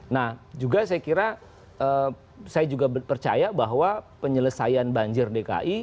nah juga saya kira saya juga percaya bahwa penyelesaian banjir dki